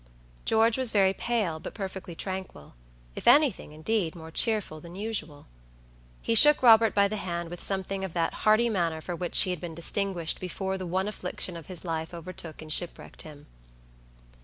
George was very pale, but perfectly tranquilif anything, indeed, more cheerful than usual. He shook Robert by the hand with something of that hearty manner for which he had been distinguished before the one affliction of his life overtook and shipwrecked him.